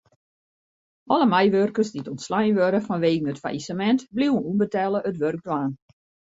Alle meiwurkers dy't ûntslein wurde fanwegen it fallisemint bliuwe ûnbetelle it wurk dwaan.